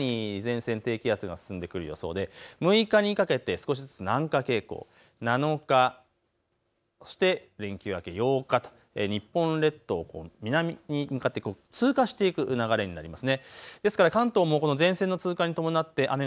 日本海に前線、低気圧が進んでくる予想で６日にかけて少しずつ南下傾向、７日、そして連休明け８日と日本列島を南に向かって通過していく流れになります。